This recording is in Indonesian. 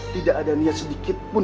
tidak ada niat sedikit pun